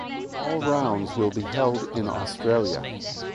All rounds will be held in Australia.